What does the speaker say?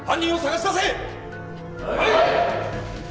はい！